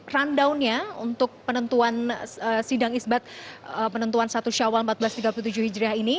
rundownnya untuk penentuan sidang isbat penentuan satu syawal seribu empat ratus tiga puluh tujuh hijriah ini